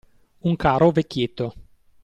Un caro vecchietto